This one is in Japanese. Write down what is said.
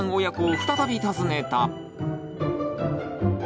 親子を再び訪ねた。